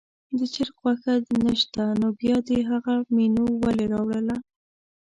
د چرګ غوښه نه شته نو بیا دې هغه مینو ولې راوړله.